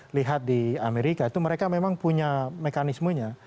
lihat di amerika itu mereka memang punya mekanismenya